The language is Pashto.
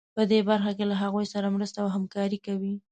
په دې برخه کې له هغوی سره مرسته او همکاري کوي.